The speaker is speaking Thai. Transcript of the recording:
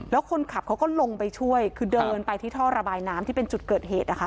แล้วคนขับเขาก็ลงไปช่วยคือเดินไปที่ท่อระบายน้ำที่เป็นจุดเกิดเหตุนะคะ